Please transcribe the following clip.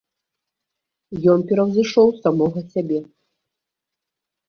Ён пераўзышоў самога сябе.